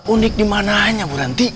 unik dimananya buranti